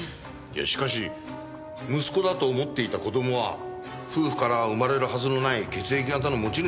いやしかし息子だと思っていた子供は夫婦から生まれるはずのない血液型の持ち主だった。